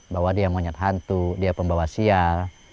bahwa dia monyet hantu dia pembawa siar